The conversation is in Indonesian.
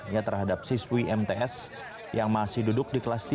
ya terhadap siswi mts yang masih duduk di kelas tiga